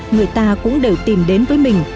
người ta cũng đều tìm đến với mình